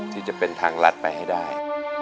ที่จะเป็นทางรัฐไปให้ได้